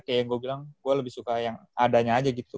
kayak yang gue bilang gue lebih suka yang adanya aja gitu